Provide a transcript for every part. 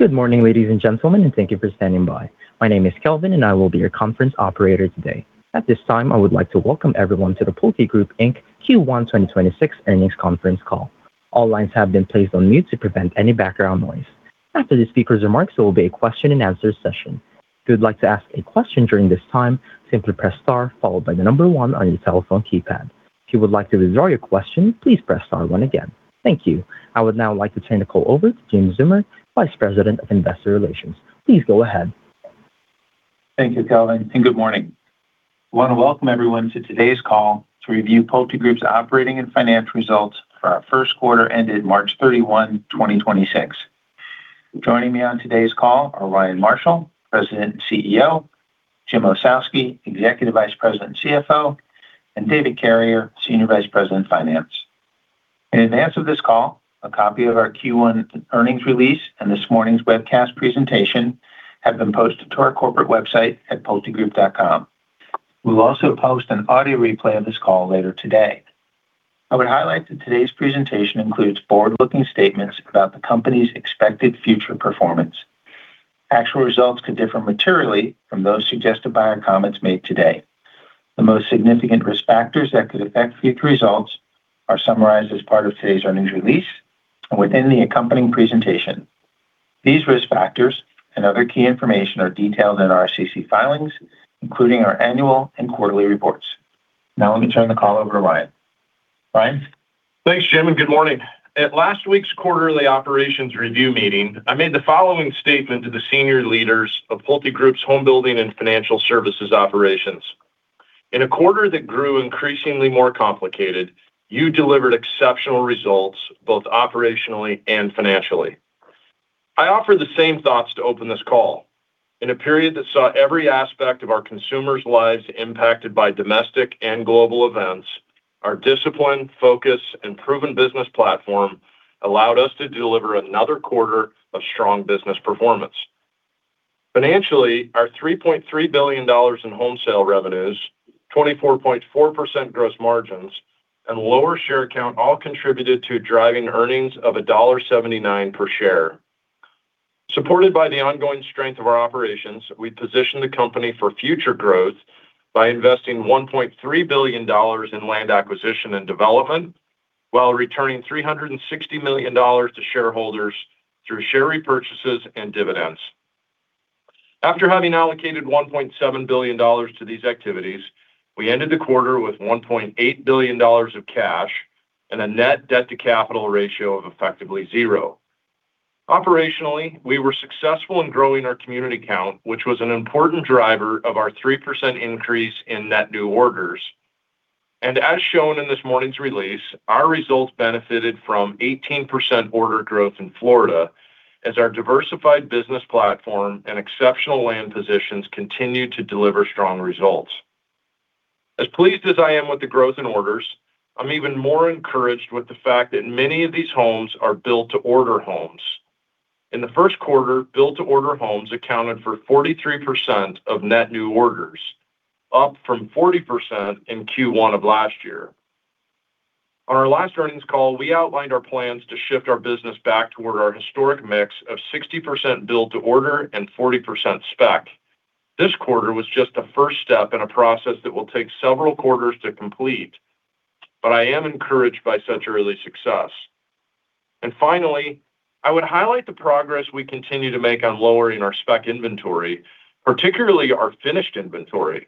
Good morning, ladies and gentlemen, and thank you for standing by. My name is Kelvin and I will be your conference operator today. At this time, I would like to welcome everyone to the PulteGroup, Inc. Q1 2026 earnings conference call. All lines have been placed on mute to prevent any background noise. After the speaker's remarks, there will be a question and answer session. If you would like to ask a question during this time, simply press star followed by the number one on your telephone keypad. If you would like to withdraw your question, please press star one again. Thank you. I would now like to turn the call over to James Zeumer, Vice President of Investor Relations. Please go ahead. Thank you, Kelvin, and good morning. I want to welcome everyone to today's call to review PulteGroup's operating and financial results for our first quarter ended March 31, 2026. Joining me on today's call are Ryan Marshall, President and CEO, Jim Ossowski, Executive Vice President and CFO, and David Carrier, Senior Vice President of Finance. In advance of this call, a copy of our Q1 earnings release and this morning's webcast presentation have been posted to our corporate website at pultegroup.com. We will also post an audio replay of this call later today. I would highlight that today's presentation includes forward-looking statements about the company's expected future performance. Actual results could differ materially from those suggested by our comments made today. The most significant risk factors that could affect future results are summarized as part of today's earnings release and within the accompanying presentation. These risk factors and other key information are detailed in our SEC filings, including our annual and quarterly reports. Now let me turn the call over to Ryan. Ryan? Thanks, Jim, and good morning. At last week's quarterly operations review meeting, I made the following statement to the senior leaders of PulteGroup's home building and financial services operations. In a quarter that grew increasingly more complicated, you delivered exceptional results both operationally and financially. I offer the same thoughts to open this call. In a period that saw every aspect of our consumers' lives impacted by domestic and global events, our discipline, focus, and proven business platform allowed us to deliver another quarter of strong business performance. Financially, our $3.3 billion in home sale revenues, 24.4% gross margins, and lower share count all contributed to driving earnings of $1.79 per share. Supported by the ongoing strength of our operations, we positioned the company for future growth by investing $1.3 billion in land acquisition and development while returning $360 million to shareholders through share repurchases and dividends. After having allocated $1.7 billion to these activities, we ended the quarter with $1.8 billion of cash and a net debt to capital ratio of effectively zero. Operationally, we were successful in growing our community count, which was an important driver of our 3% increase in net new orders. As shown in this morning's release, our results benefited from 18% order growth in Florida as our diversified business platform and exceptional land positions continued to deliver strong results. As pleased as I am with the growth in orders, I'm even more encouraged with the fact that many of these homes are built-to-order homes. In the first quarter, built-to-order homes accounted for 43% of net new orders, up from 40% in Q1 of last year. On our last earnings call, we outlined our plans to shift our business back toward our historic mix of 60% built-to-order and 40% spec. This quarter was just the first step in a process that will take several quarters to complete, but I am encouraged by such early success. Finally, I would highlight the progress we continue to make on lowering our spec inventory, particularly our finished inventory.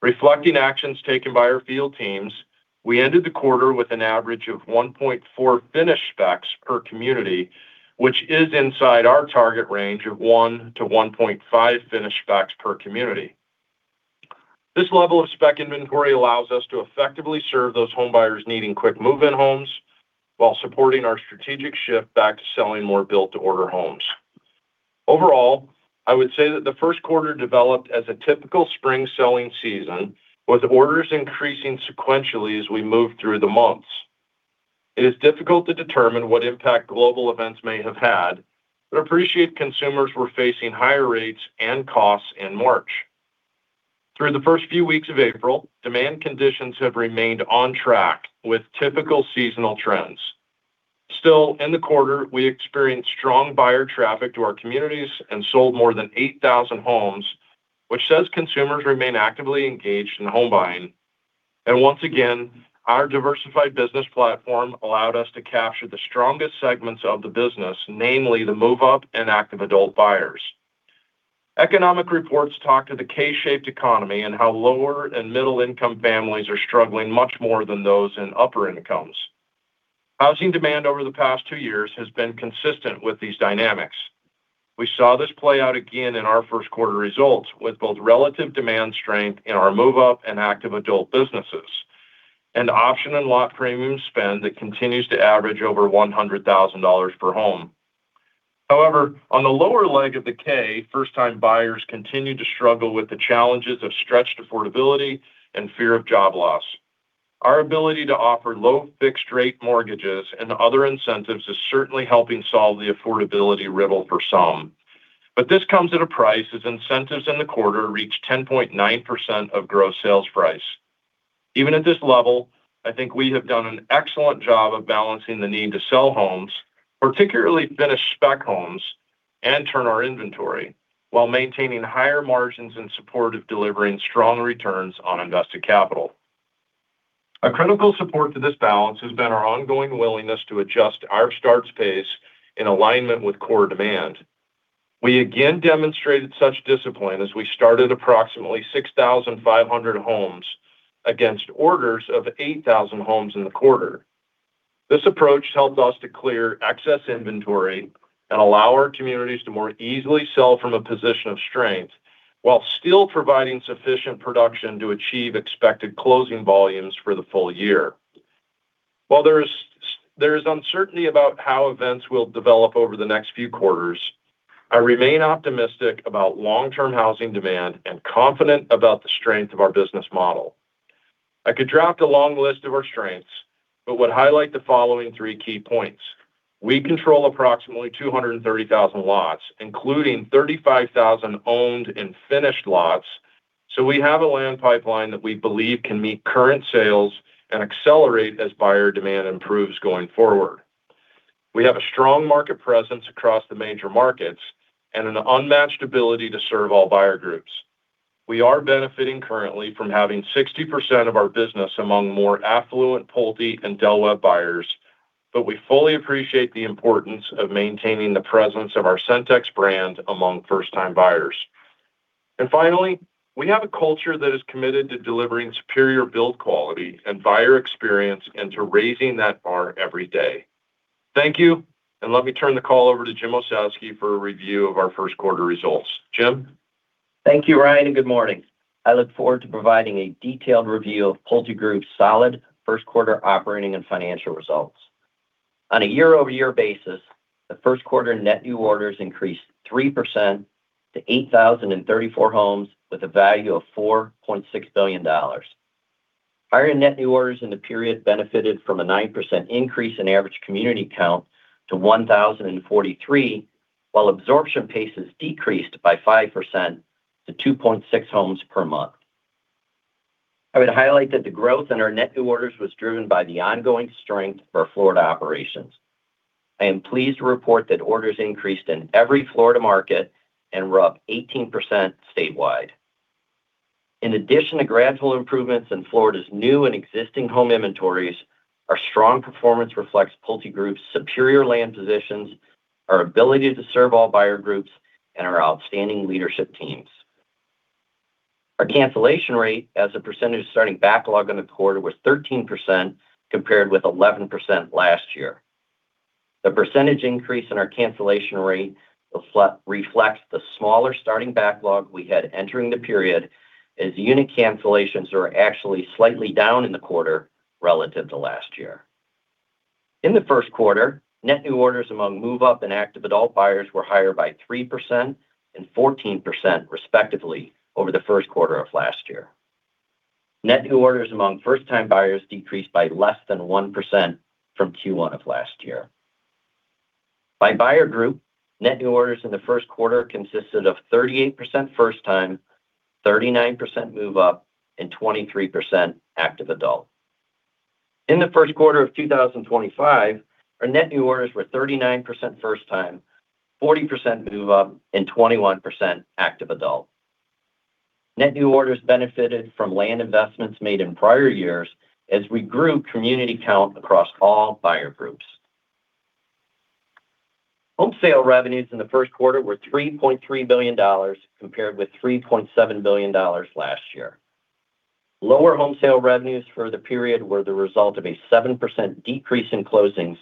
Reflecting actions taken by our field teams, we ended the quarter with an average of 1.4 finished specs per community, which is inside our target range of 1-1.5 finished specs per community. This level of spec inventory allows us to effectively serve those home buyers needing quick move-in homes while supporting our strategic shift back to selling more built-to-order homes. Overall, I would say that the first quarter developed as a typical spring selling season, with orders increasing sequentially as we moved through the months. It is difficult to determine what impact global events may have had, but appreciate consumers were facing higher rates and costs in March. Through the first few weeks of April, demand conditions have remained on track with typical seasonal trends. Still, in the quarter, we experienced strong buyer traffic to our communities and sold more than 8,000 homes, which says consumers remain actively engaged in home buying. Once again, our diversified business platform allowed us to capture the strongest segments of the business, namely the move-up and active adult buyers. Economic reports talk to the K-shaped economy and how lower and middle-income families are struggling much more than those in upper incomes. Housing demand over the past two years has been consistent with these dynamics. We saw this play out again in our first quarter results, with both relative demand strength in our move-up and active adult businesses, and option and lot premium spend that continues to average over $100,000 per home. However, on the lower leg of the K, first-time buyers continue to struggle with the challenges of stretched affordability and fear of job loss. Our ability to offer low fixed-rate mortgages and other incentives is certainly helping solve the affordability riddle for some. This comes at a price, as incentives in the quarter reach 10.9% of gross sales price. Even at this level, I think we have done an excellent job of balancing the need to sell homes, particularly finished spec homes, and turn our inventory while maintaining higher margins in support of delivering strong returns on invested capital. A critical support to this balance has been our ongoing willingness to adjust our starts pace in alignment with core demand. We again demonstrated such discipline as we started approximately 6,500 homes against orders of 8,000 homes in the quarter. This approach helped us to clear excess inventory and allow our communities to more easily sell from a position of strength while still providing sufficient production to achieve expected closing volumes for the full year. While there is uncertainty about how events will develop over the next few quarters, I remain optimistic about long-term housing demand and confident about the strength of our business model. I could draft a long list of our strengths, but would highlight the following three key points. We control approximately 230,000 lots, including 35,000 owned and finished lots. We have a land pipeline that we believe can meet current sales and accelerate as buyer demand improves going forward. We have a strong market presence across the major markets and an unmatched ability to serve all buyer groups. We are benefiting currently from having 60% of our business among more affluent Pulte and Del Webb buyers, but we fully appreciate the importance of maintaining the presence of our Centex brand among first-time buyers. Finally, we have a culture that is committed to delivering superior build quality and buyer experience, and to raising that bar every day. Thank you, and let me turn the call over to Jim Ossowski for a review of our first quarter results. Jim? Thank you, Ryan, and good morning. I look forward to providing a detailed review of PulteGroup's solid first quarter operating and financial results. On a year-over-year basis, the first quarter net new orders increased 3% to 8,034 homes with a value of $4.6 billion. Higher net new orders in the period benefited from a 9% increase in average community count to 1,043, while absorption paces decreased by 5% to 2.6 homes per month. I would highlight that the growth in our net new orders was driven by the ongoing strength of our Florida operations. I am pleased to report that orders increased in every Florida market and were up 18% statewide. In addition to gradual improvements in Florida's new and existing home inventories, our strong performance reflects PulteGroup's superior land positions, our ability to serve all buyer groups, and our outstanding leadership teams. Our cancellation rate as a percentage of starting backlog in the quarter was 13%, compared with 11% last year. The percentage increase in our cancellation rate reflects the smaller starting backlog we had entering the period, as unit cancellations were actually slightly down in the quarter relative to last year. In the first quarter, net new orders among move-up and active adult buyers were higher by 3% and 14%, respectively, over the first quarter of last year. Net new orders among first-time buyers decreased by less than 1% from Q1 of last year. By buyer group, net new orders in the first quarter consisted of 38% first time, 39% move up, and 23% active adult. In the first quarter of 2025, our net new orders were 39% first time, 40% move up, and 21% active adult. Net new orders benefited from land investments made in prior years as we grew community count across all buyer groups. Home sale revenues in the first quarter were $3.3 billion, compared with $3.7 billion last year. Lower home sale revenues for the period were the result of a 7% decrease in closings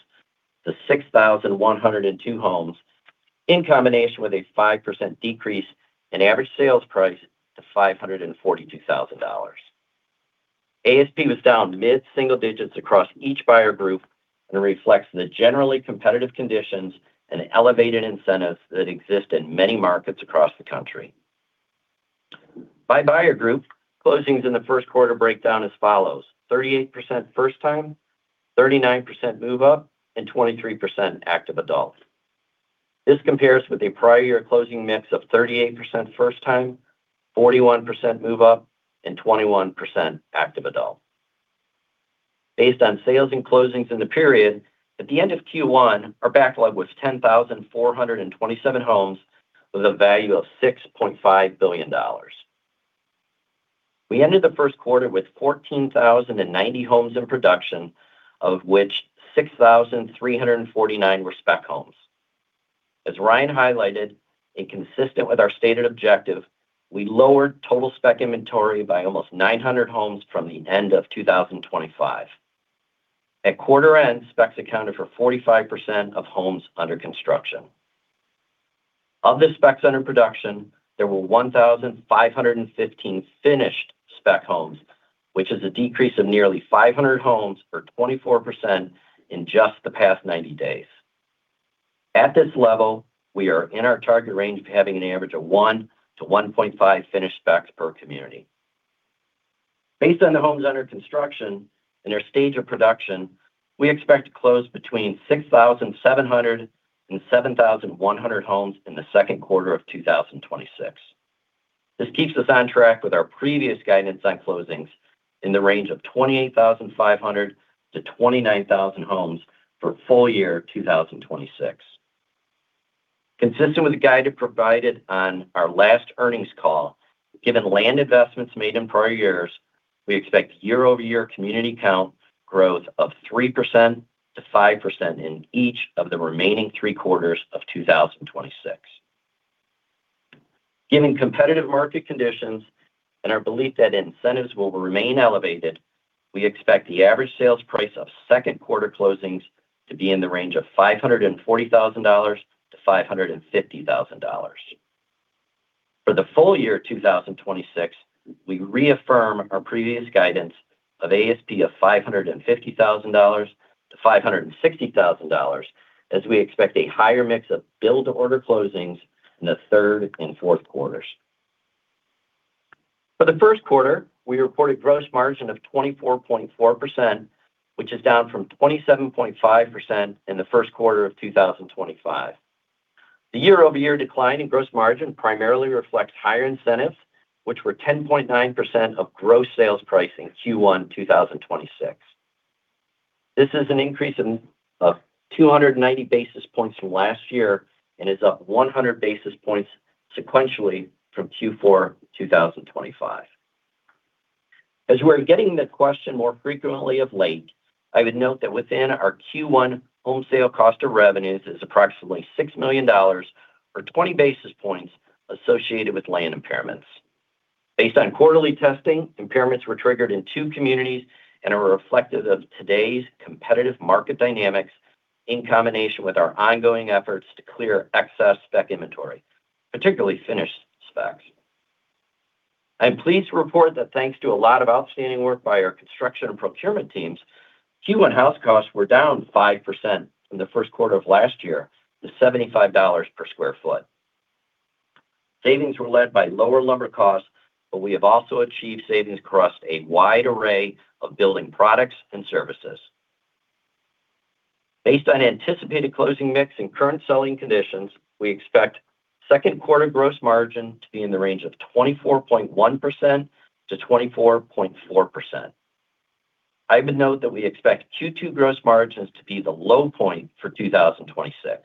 to 6,102 homes, in combination with a 5% decrease in average sales price to $542,000. ASP was down mid-single digits across each buyer group and reflects the generally competitive conditions and elevated incentives that exist in many markets across the country. By buyer group, closings in the first quarter break down as follows, 38% first time, 39% move up, and 23% active adult. This compares with a prior year closing mix of 38% first time, 41% move up, and 21% active adult. Based on sales and closings in the period, at the end of Q1, our backlog was 10,427 homes with a value of $6.5 billion. We ended the first quarter with 14,090 homes in production, of which 6,349 were spec homes. As Ryan highlighted, and consistent with our stated objective, we lowered total spec inventory by almost 900 homes from the end of 2025. At quarter end, specs accounted for 45% of homes under construction. Of the specs under production, there were 1,515 finished spec homes, which is a decrease of nearly 500 homes or 24% in just the past 90 days. At this level, we are in our target range of having an average of 1-1.5 finished specs per community. Based on the homes under construction and their stage of production, we expect to close between 6,700 and 7,100 homes in the second quarter of 2026. This keeps us on track with our previous guidance on closings in the range of 28,500-29,000 homes for full year 2026. Consistent with the guidance provided on our last earnings call, given land investments made in prior years, we expect year-over-year community count growth of 3%-5% in each of the remaining three quarters of 2026. Given competitive market conditions and our belief that incentives will remain elevated, we expect the average sales price of second quarter closings to be in the range of $540,000-$550,000. For the full year 2026, we reaffirm our previous guidance of ASP of $550,000-$560,000, as we expect a higher mix of build-to-order closings in the third and fourth quarters. For the first quarter, we reported gross margin of 24.4%, which is down from 27.5% in the first quarter of 2025. The year-over-year decline in gross margin primarily reflects higher incentives, which were 10.9% of gross sales pricing, Q1 2026. This is an increase of 290 basis points from last year and is up 100 basis points sequentially from Q4 2025. As we're getting the question more frequently of late, I would note that within our Q1 home sale cost of revenues is approximately $6 million or 20 basis points associated with land impairments. Based on quarterly testing, impairments were triggered in two communities and are reflective of today's competitive market dynamics in combination with our ongoing efforts to clear excess spec inventory, particularly finished specs. I'm pleased to report that thanks to a lot of outstanding work by our construction and procurement teams, Q1 house costs were down 5% from the first quarter of last year to $75 per sq ft. Savings were led by lower lumber costs, but we have also achieved savings across a wide array of building products and services. Based on anticipated closing mix and current selling conditions, we expect second quarter gross margin to be in the range of 24.1%-24.4%. I would note that we expect Q2 gross margins to be the low point for 2026.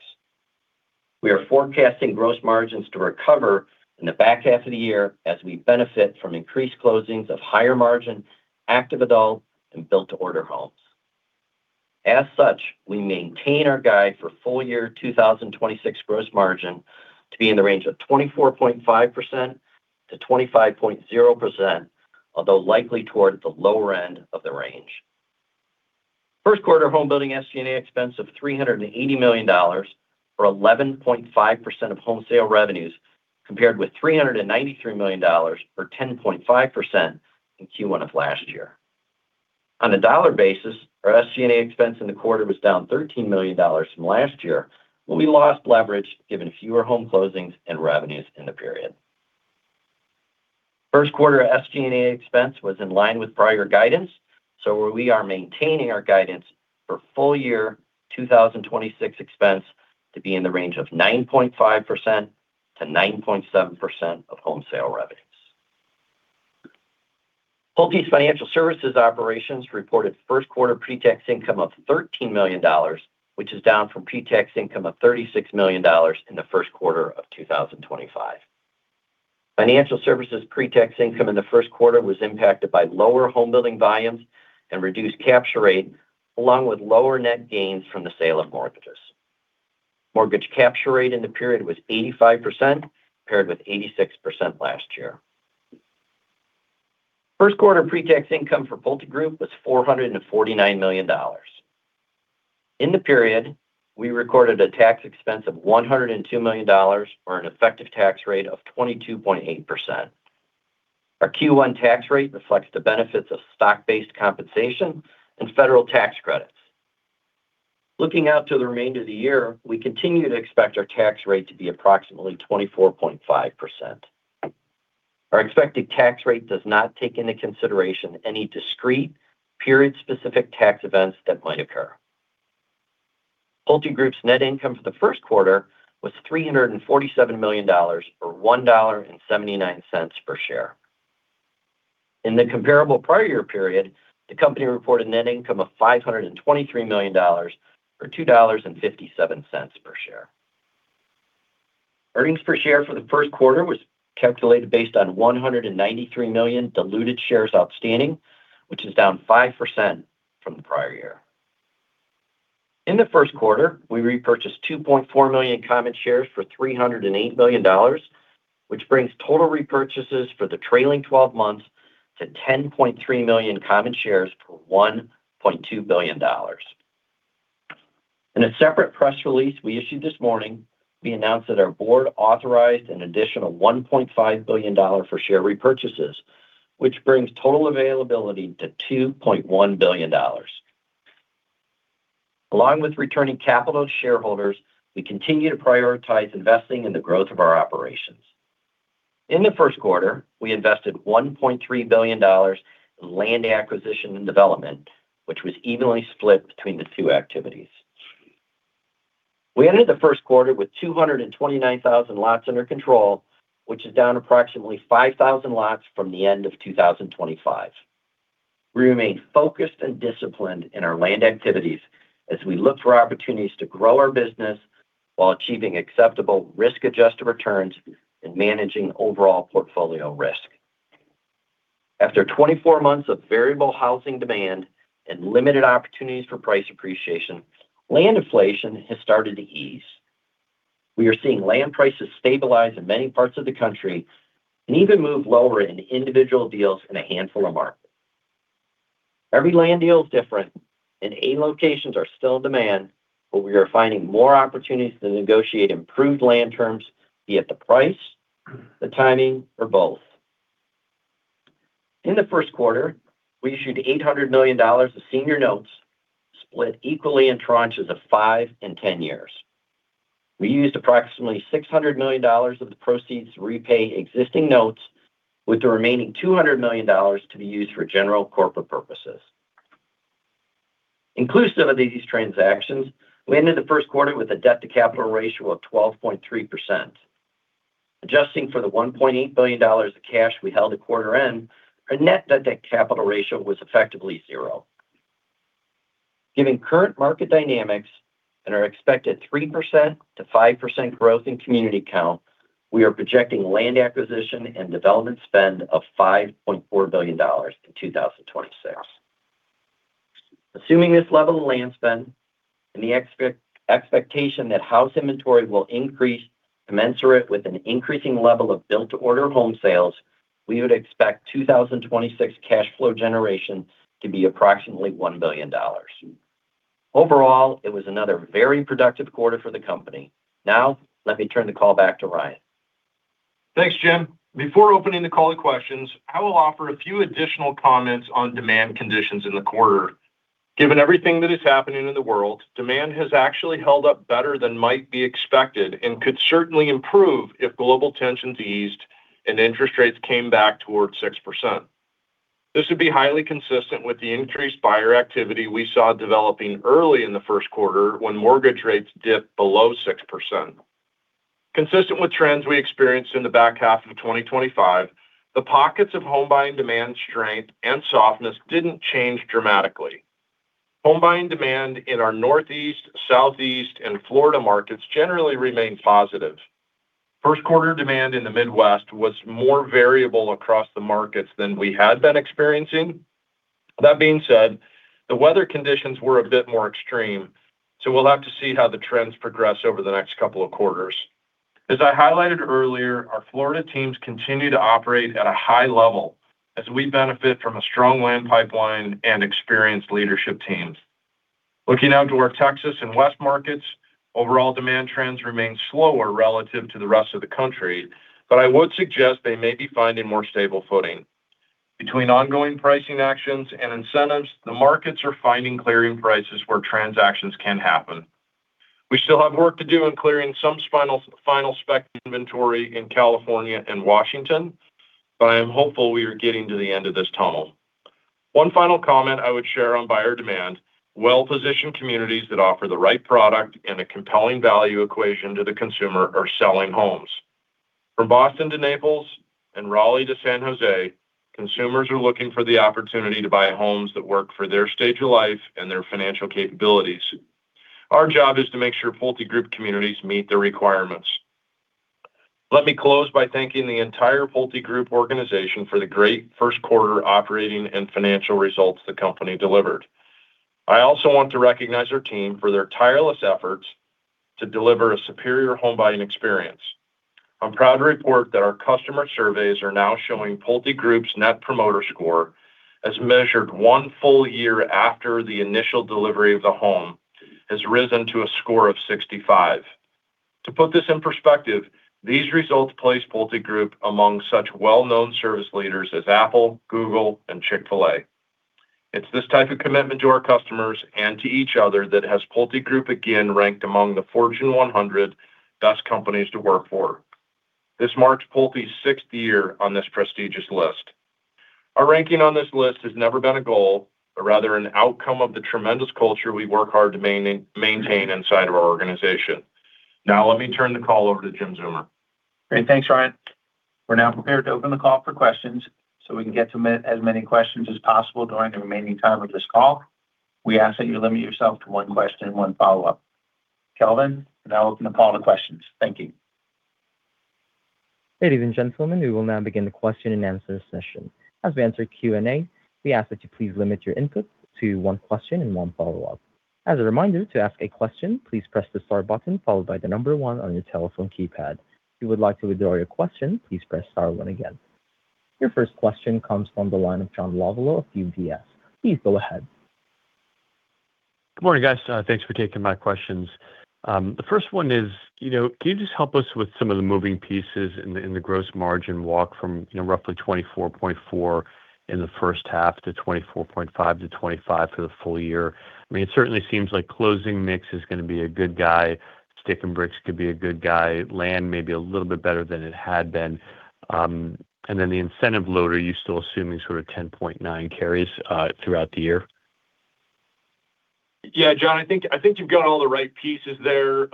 We are forecasting gross margins to recover in the back half of the year as we benefit from increased closings of higher margin, active adult, and build-to-order homes. As such, we maintain our guide for full year 2026 gross margin to be in the range of 24.5%-25.0%, although likely toward the lower end of the range. First quarter home building SG&A expense of $380 million, or 11.5% of home sale revenues, compared with $393 million, or 10.5% in Q1 of last year. On a dollar basis, our SG&A expense in the quarter was down $13 million from last year, but we lost leverage given fewer home closings and revenues in the period. First quarter SG&A expense was in line with prior guidance, so we are maintaining our guidance for full year 2026 expense to be in the range of 9.5%-9.7% of home sale revenues. Pulte's financial services operations reported first quarter pre-tax income of $13 million, which is down from pre-tax income of $36 million in the first quarter of 2025. Financial services pre-tax income in the first quarter was impacted by lower home building volumes and reduced capture rate, along with lower net gains from the sale of mortgages. Mortgage capture rate in the period was 85%, compared with 86% last year. First quarter pre-tax income for PulteGroup was $449 million. In the period, we recorded a tax expense of $102 million, or an effective tax rate of 22.8%. Our Q1 tax rate reflects the benefits of stock-based compensation and federal tax credits. Looking out to the remainder of the year, we continue to expect our tax rate to be approximately 24.5%. Our expected tax rate does not take into consideration any discrete, period-specific tax events that might occur. PulteGroup's net income for the first quarter was $347 million, or $1.79 per share. In the comparable prior year period, the company reported net income of $523 million, or $2.57 per share. Earnings per share for the first quarter was calculated based on 193 million diluted shares outstanding, which is down 5% from the prior year. In the first quarter, we repurchased 2.4 million common shares for $308 million, which brings total repurchases for the trailing 12 months to 10.3 million common shares for $1.2 billion. In a separate press release we issued this morning, we announced that our board authorized an additional $1.5 billion for share repurchases, which brings total availability to $2.1 billion. Along with returning capital to shareholders, we continue to prioritize investing in the growth of our operations. In the first quarter, we invested $1.3 billion in land acquisition and development, which was evenly split between the two activities. We ended the first quarter with 229,000 lots under control, which is down approximately 5,000 lots from the end of 2025. We remain focused and disciplined in our land activities as we look for opportunities to grow our business while achieving acceptable risk-adjusted returns and managing overall portfolio risk. After 24 months of variable housing demand and limited opportunities for price appreciation, land inflation has started to ease. We are seeing land prices stabilize in many parts of the country and even move lower in individual deals in a handful of markets. Every land deal is different, and A locations are still in demand, but we are finding more opportunities to negotiate improved land terms, be it the price, the timing, or both. In the first quarter, we issued $800 million of senior notes split equally in tranches of five and 10 years. We used approximately $600 million of the proceeds to repay existing notes, with the remaining $200 million to be used for general corporate purposes. Inclusive of these transactions, we ended the first quarter with a debt-to-capital ratio of 12.3%. Adjusting for the $1.8 billion of cash we held at quarter-end, our net debt to capital ratio was effectively zero. Given current market dynamics and our expected 3%-5% growth in community count, we are projecting land acquisition and development spend of $5.4 billion in 2026. Assuming this level of land spend and the expectation that house inventory will increase commensurate with an increasing level of build to order home sales, we would expect 2026 cash flow generation to be approximately $1 billion. Overall, it was another very productive quarter for the company. Now, let me turn the call back to Ryan. Thanks, Jim. Before opening the call to questions, I will offer a few additional comments on demand conditions in the quarter. Given everything that is happening in the world, demand has actually held up better than might be expected and could certainly improve if global tensions eased and interest rates came back towards 6%. This would be highly consistent with the increased buyer activity we saw developing early in the first quarter when mortgage rates dipped below 6%. Consistent with trends we experienced in the back half of 2025, the pockets of home buying demand strength and softness didn't change dramatically. Home buying demand in our Northeast, Southeast, and Florida markets generally remained positive. First quarter demand in the Midwest was more variable across the markets than we had been experiencing. That being said, the weather conditions were a bit more extreme, so we'll have to see how the trends progress over the next couple of quarters. As I highlighted earlier, our Florida teams continue to operate at a high level as we benefit from a strong land pipeline and experienced leadership teams. Looking out to our Texas and West markets, overall demand trends remain slower relative to the rest of the country, but I would suggest they may be finding more stable footing. Between ongoing pricing actions and incentives, the markets are finding clearing prices where transactions can happen. We still have work to do in clearing some final spec inventory in California and Washington, but I am hopeful we are getting to the end of this tunnel. One final comment I would share on buyer demand. Well-positioned communities that offer the right product and a compelling value equation to the consumer are selling homes. From Boston to Naples and Raleigh to San Jose, consumers are looking for the opportunity to buy homes that work for their stage of life and their financial capabilities. Our job is to make sure PulteGroup communities meet the requirements. Let me close by thanking the entire PulteGroup organization for the great first quarter operating and financial results the company delivered. I also want to recognize our team for their tireless efforts to deliver a superior home buying experience. I'm proud to report that our customer surveys are now showing PulteGroup's Net Promoter Score, as measured one full year after the initial delivery of the home, has risen to a score of 65. To put this in perspective, these results place PulteGroup among such well-known service leaders as Apple, Google, and Chick-fil-A. It's this type of commitment to our customers and to each other that has PulteGroup again ranked among the Fortune 100 Best Companies to Work For. This marks PulteGroup's sixth year on this prestigious list. Our ranking on this list has never been a goal, but rather an outcome of the tremendous culture we work hard to maintain inside of our organization. Now, let me turn the call over to James Zeumer. Great. Thanks, Ryan. We're now prepared to open the call for questions. We can get to as many questions as possible during the remaining time of this call, we ask that you limit yourself to one question and one follow-up. Kelvin, I now open the call to questions. Thank you. Ladies and gentlemen, we will now begin the question and answer session. As we answer Q&A, we ask that you please limit your input to one question and one follow-up. As a reminder, to ask a question, please press the star button followed by the number one on your telephone keypad. If you would like to withdraw your question, please press star one again. Your first question comes from the line of John Lovallo of UBS. Please go ahead. Good morning, guys. Thanks for taking my questions. The first one is, can you just help us with some of the moving pieces in the gross margin walk from roughly 24.4% in the first half to 24.5%-25% for the full year? It certainly seems like closing mix is going to be a good guy. Sticks and bricks could be a good buy. Land may be a little bit better than it had been. The incentive loader, you're still assuming sort of 10.9 carries throughout the year? Yeah, John, I think you've got all the right pieces there.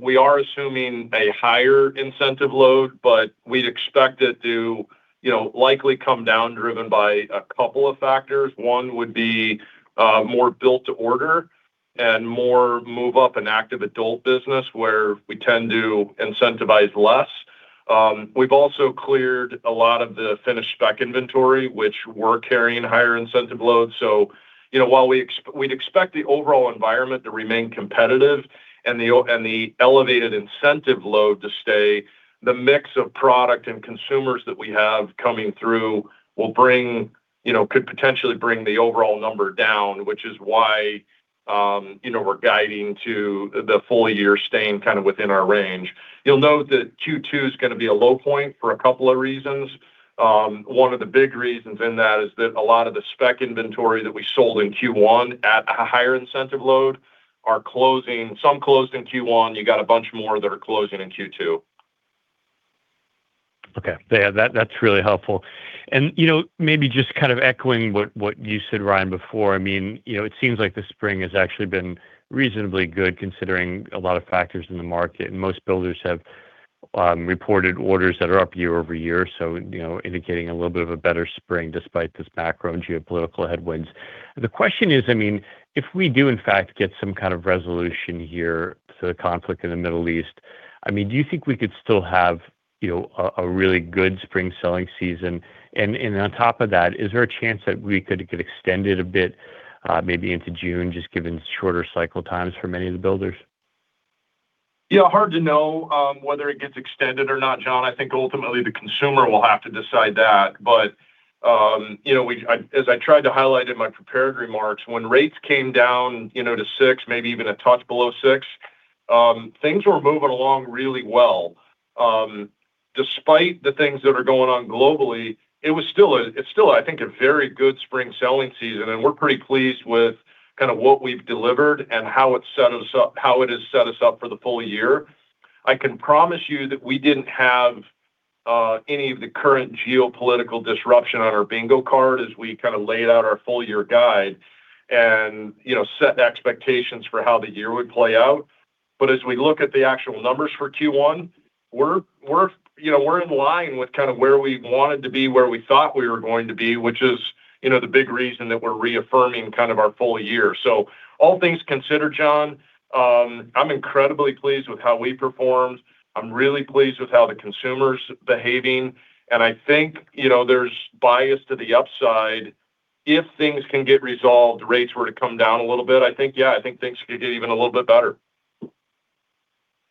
We are assuming a higher incentive load, but we'd expect it to likely come down, driven by a couple of factors. One would be more built to order and more move up in active adult business, where we tend to incentivize less. We've also cleared a lot of the finished spec inventory, which we're carrying higher incentive loads. So, while we'd expect the overall environment to remain competitive and the elevated incentive load to stay, the mix of product and consumers that we have coming through could potentially bring the overall number down, which is why we're guiding to the full year staying kind of within our range. You'll note that Q2 is going to be a low point for a couple of reasons. One of the big reasons in that is that a lot of the spec inventory that we sold in Q1 at a higher incentive load are closing. Some closed in Q1. You got a bunch more that are closing in Q2. Okay. Yeah, that's really helpful. Maybe just kind of echoing what you said, Ryan, before, it seems like the spring has actually been reasonably good considering a lot of factors in the market, and most builders have reported orders that are up year-over-year, so indicating a little bit of a better spring despite this macro and geopolitical headwinds. The question is, if we do in fact get some kind of resolution here to the conflict in the Middle East, do you think we could still have a really good spring selling season? On top of that, is there a chance that we could get extended a bit, maybe into June, just given shorter cycle times for many of the builders? Yeah, hard to know whether it gets extended or not, John. I think ultimately the consumer will have to decide that. As I tried to highlight in my prepared remarks, when rates came down to 6, maybe even a touch below 6, things were moving along really well. Despite the things that are going on globally, it's still, I think, a very good spring selling season, and we're pretty pleased with what we've delivered and how it has set us up for the full year. I can promise you that we didn't have any of the current geopolitical disruption on our bingo card as we kind of laid out our full-year guide and set expectations for how the year would play out. As we look at the actual numbers for Q1, we're in line with kind of where we wanted to be, where we thought we were going to be, which is the big reason that we're reaffirming kind of our full year. All things considered, John, I'm incredibly pleased with how we performed. I'm really pleased with how the consumer's behaving, and I think there's bias to the upside if things can get resolved, rates were to come down a little bit, I think, yeah, I think things could get even a little bit better.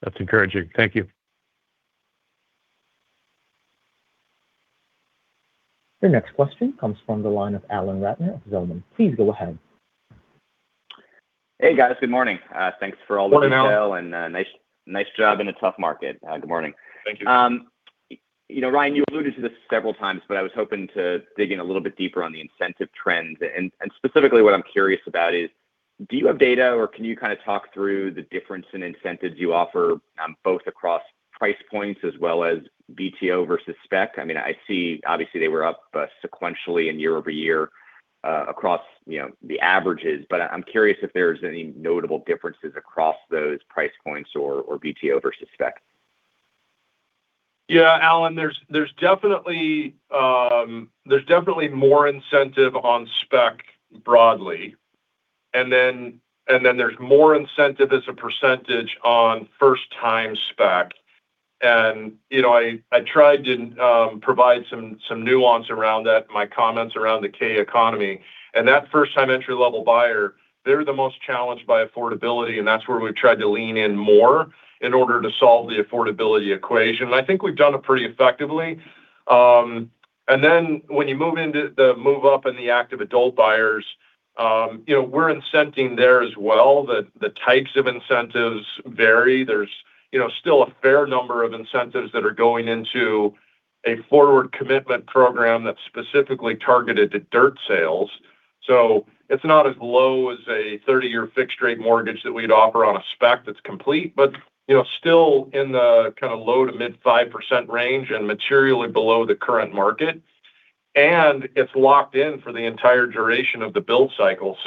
That's encouraging. Thank you. Your next question comes from the line of Alan Ratner of Zelman. Please go ahead. Hey, guys. Good morning. Thanks for all the Morning, Alan. Detail and nice job in a tough market. Good morning. Thank you. Ryan, you alluded to this several times, but I was hoping to dig in a little bit deeper on the incentive trends. Specifically what I'm curious about is, do you have data or can you kind of talk through the difference in incentives you offer both across price points as well as BTO versus spec? I see obviously they were up sequentially and year-over-year across the averages, but I'm curious if there's any notable differences across those price points or BTO versus spec. Yeah, Alan, there's definitely more incentive on spec broadly. There's more incentive as a percentage on first-time spec. I tried to provide some nuance around that in my comments around the K-shaped economy. That first-time entry-level buyer, they're the most challenged by affordability, and that's where we've tried to lean in more in order to solve the affordability equation. I think we've done it pretty effectively. When you move into the move-up and the active adult buyers, we're incenting there as well. The types of incentives vary. There's still a fair number of incentives that are going into a forward commitment program that's specifically targeted to dirt sales. It's not as low as a 30-year fixed-rate mortgage that we'd offer on a spec that's complete, but still in the kind of low-to-mid 5% range and materially below the current market. It's locked in for the entire duration of the build cycle.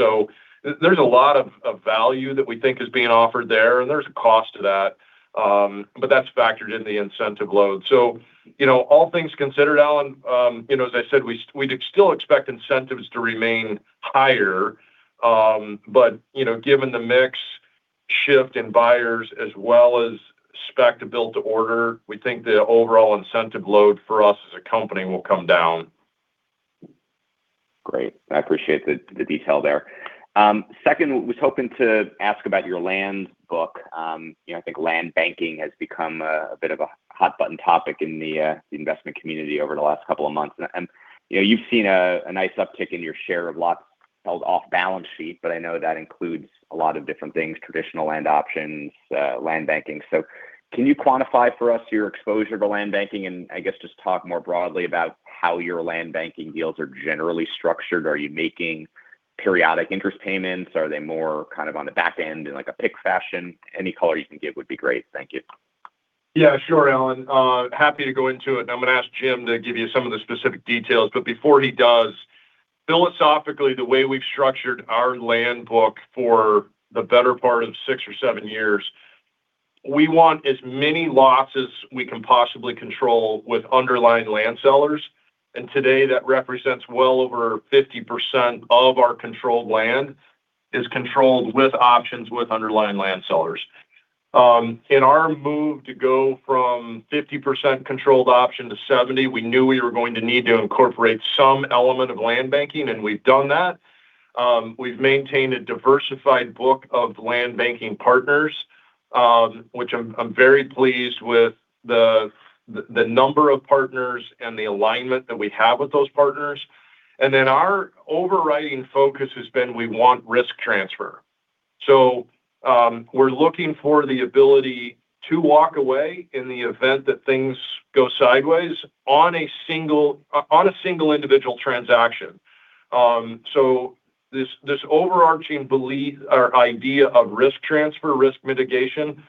There's a lot of value that we think is being offered there, and there's a cost to that, but that's factored in the incentive load. All things considered, Alan, as I said, we'd still expect incentives to remain higher. Given the mix shift in buyers as well as spec to build to order, we think the overall incentive load for us as a company will come down. Great. I appreciate the detail there. Second, I was hoping to ask about your land book. I think land banking has become a bit of a hot-button topic in the investment community over the last couple of months. You've seen a nice uptick in your share of lots held off balance sheet, but I know that includes a lot of different things, traditional land options, land banking. Can you quantify for us your exposure to land banking? And I guess just talk more broadly about how your land banking deals are generally structured. Are you making periodic interest payments? Are they more kind of on the back end in a PIK fashion? Any color you can give would be great. Thank you. Yeah. Sure, Alan. Happy to go into it, and I'm going to ask Jim to give you some of the specific details, but before he does, philosophically, the way we've structured our land bank for the better part of six or seven years, we want as many lots as we can possibly control with underlying land sellers. Today that represents well over 50% of our controlled land is controlled with options with underlying land sellers. In our move to go from 50% controlled option to 70%, we knew we were going to need to incorporate some element of land banking, and we've done that. We've maintained a diversified book of land banking partners, which I'm very pleased with the number of partners and the alignment that we have with those partners. Then our overriding focus has been we want risk transfer. We're looking for the ability to walk away in the event that things go sideways on a single individual transaction. This overarching belief or idea of risk transfer, risk mitigation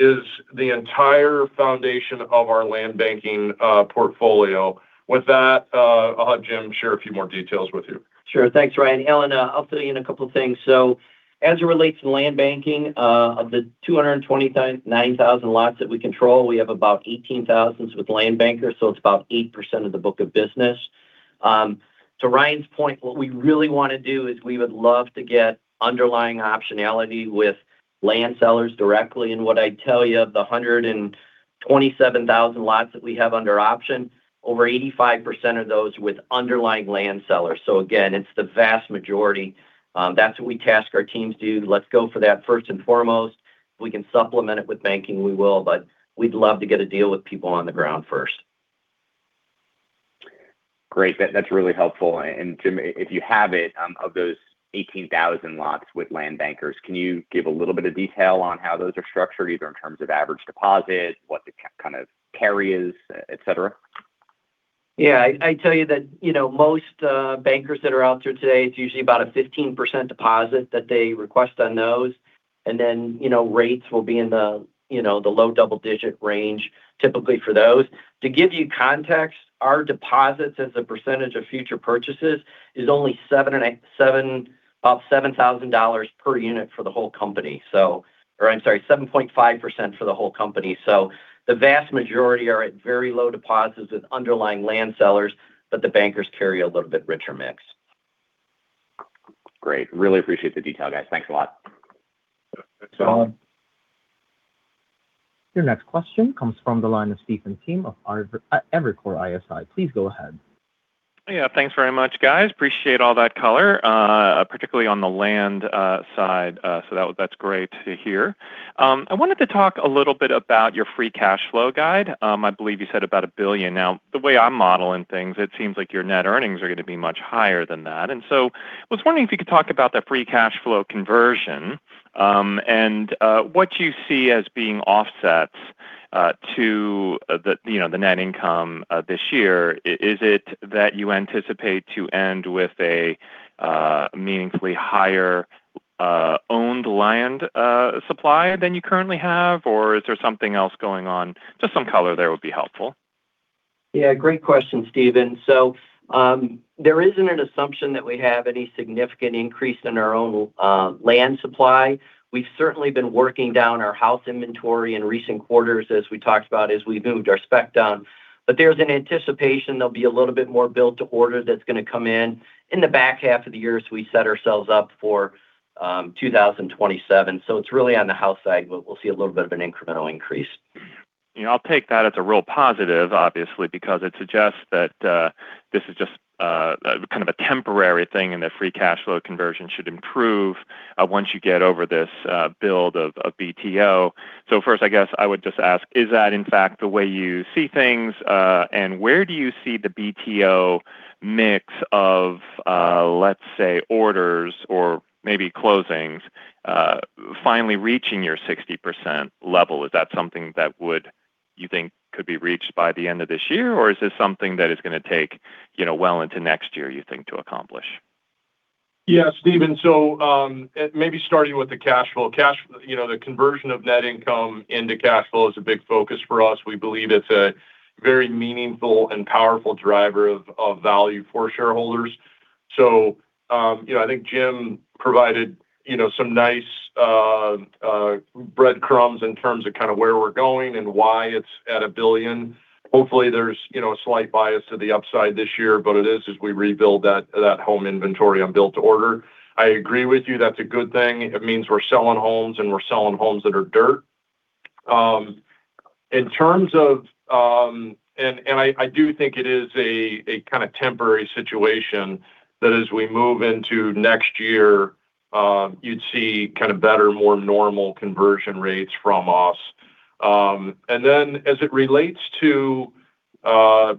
is the entire foundation of our land banking portfolio. With that, I'll have Jim share a few more details with you. Sure. Thanks, Ryan. Alan, I'll fill you in a couple things. As it relates to land banking, of the 229,000 lots that we control, we have about 18,000 with land bankers, so it's about 8% of the book of business. To Ryan's point, what we really want to do is we would love to get underlying optionality with land sellers directly. What I'd tell you, of the 127,000 lots that we have under option, over 85% are those with underlying land sellers. Again, it's the vast majority. That's what we task our teams to do. Let's go for that first and foremost. If we can supplement it with banking, we will, but we'd love to get a deal with people on the ground first. Great. That's really helpful. Jim, if you have it, of those 18,000 lots with land bankers, can you give a little bit of detail on how those are structured, either in terms of average deposit, what the kind of carry is, et cetera? Yeah. I tell you that, most bankers that are out there today, it's usually about a 15% deposit that they request on those. Then, rates will be in the low double-digit range typically for those. To give you context, our deposits as a percentage of future purchases is only about $7,000 per unit for the whole company. I'm sorry, 7.5% for the whole company. The vast majority are at very low deposits with underlying land sellers, but the bankers carry a little bit richer mix. Great. Really appreciate the detail, guys. Thanks a lot. Thanks, Alan. Your next question comes from the line of Stephen Kim of Evercore ISI. Please go ahead. Yeah. Thanks very much, guys. Appreciate all that color, particularly on the land side. That's great to hear. I wanted to talk a little bit about your free cash flow guide. I believe you said about $1 billion. Now, the way I'm modeling things, it seems like your net earnings are going to be much higher than that. I was wondering if you could talk about that free cash flow conversion, and what you see as being offsets to the net income this year. Is it that you anticipate to end with a meaningfully higher owned land supply than you currently have, or is there something else going on? Just some color there would be helpful. Yeah. Great question, Stephen. There isn't an assumption that we have any significant increase in our own land supply. We've certainly been working down our house inventory in recent quarters as we talked about as we've moved our spec down. There's an anticipation there'll be a little bit more build to order that's going to come in in the back half of the year as we set ourselves up for 2027. It's really on the house side where we'll see a little bit of an incremental increase. I'll take that as a real positive, obviously, because it suggests that this is just kind of a temporary thing and the free cash flow conversion should improve once you get over this build of BTO. First, I guess I would just ask, is that in fact the way you see things, and where do you see the BTO mix of let's say orders or maybe closings finally reaching your 60% level? Is that something that would, you think, could be reached by the end of this year, or is this something that is going to take well into next year, you think, to accomplish? Yeah, Stephen. Maybe starting with the cash flow. The conversion of net income into cash flow is a big focus for us. We believe it's a very meaningful and powerful driver of value for shareholders. I think Jim provided some nice breadcrumbs in terms of kind of where we're going and why it's at $1 billion. Hopefully, there's a slight bias to the upside this year, but it is as we rebuild that home inventory on build to order. I agree with you, that's a good thing. It means we're selling homes, and we're selling homes that are dirt. I do think it is a kind of temporary situation that as we move into next year, you'd see kind of better, more normal conversion rates from us. Then as it relates to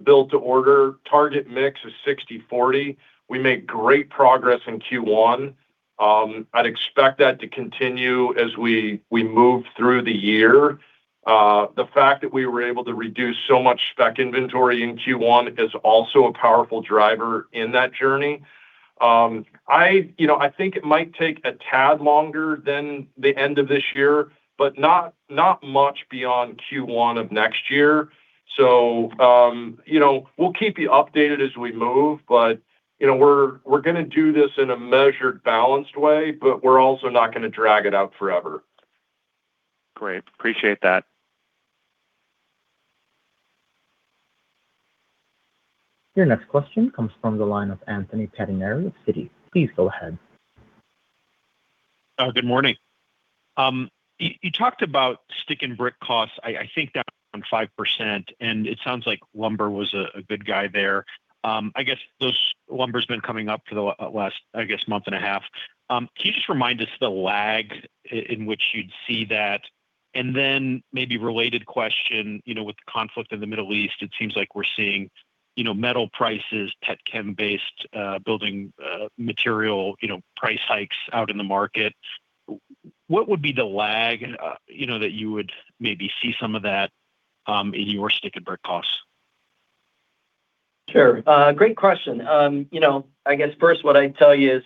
build to order. Target mix is 60/40. We made great progress in Q1. I'd expect that to continue as we move through the year. The fact that we were able to reduce so much spec inventory in Q1 is also a powerful driver in that journey. I think it might take a tad longer than the end of this year, but not much beyond Q1 of next year. We'll keep you updated as we move, but we're going to do this in a measured, balanced way, but we're also not going to drag it out forever. Great. Appreciate that. Your next question comes from the line of Anthony Pettinari of Citi. Please go ahead. Good morning. You talked about stick and brick costs, I think down from 5%, and it sounds like lumber was a good guy there. I guess those lumbers been coming up for the last, I guess, month and a half. Can you just remind us of the lag in which you'd see that? Maybe related question, with the conflict in the Middle East, it seems like we're seeing metal prices, petchem-based building material price hikes out in the market. What would be the lag that you would maybe see some of that in your stick and brick costs? Sure. Great question. I guess first what I'd tell you is,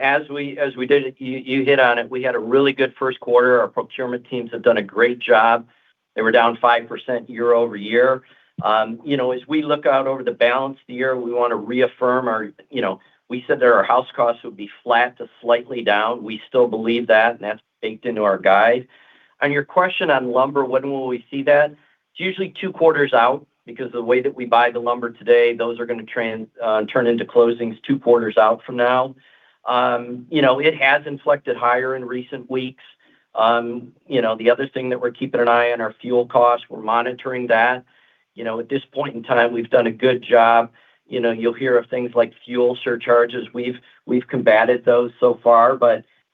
as we did, you hit on it, we had a really good first quarter. Our procurement teams have done a great job. They were down 5% year-over-year. As we look out over the balance of the year, we want to reaffirm our. We said that our house costs would be flat to slightly down. We still believe that, and that's baked into our guide. On your question on lumber, when will we see that? It's usually two quarters out, because the way that we buy the lumber today, those are going to turn into closings two quarters out from now. It has inflected higher in recent weeks. The other thing that we're keeping an eye on are fuel costs. We're monitoring that. At this point in time, we've done a good job. You'll hear of things like fuel surcharges. We've combated those so far.